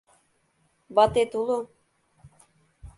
Ватет уло?